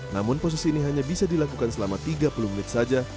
namun posisi ini hanya bisa dilakukan selama tiga puluh menit saja